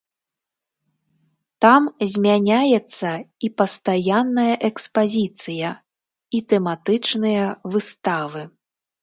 Там змяняецца і пастаянная экспазіцыя, і тэматычныя выставы.